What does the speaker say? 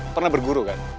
pernah berguru kan